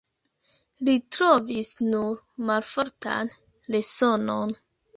Li trovis nur malfortan resonon.